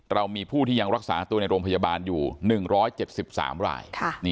เรามีผู้ที่ยังรักษาตัวในโรงพยาบาลอยู่๑๗๓ราย